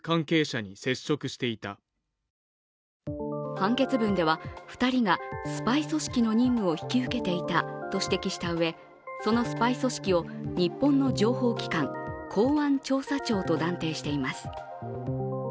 判決文では２人がスパイ組織の任務を引き受けていたと指摘したうえそのスパイ組織を日本の情報機関、公安調査庁と断定しています。